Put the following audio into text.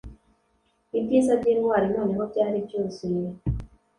Ibyiza byintwari noneho byari byuzuye